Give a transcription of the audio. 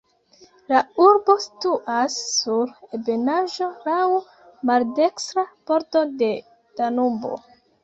La urbo situas sur ebenaĵo, laŭ maldekstra bordo de Danubo.